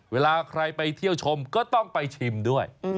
เวลาใครไปเที่ยวชมก็ต้องไปชิมด้วย